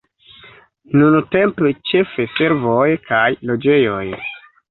Nuntempe ĉefe servoj kaj loĝejoj.